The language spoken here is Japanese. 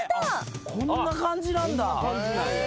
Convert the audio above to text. こんな感じなんだ。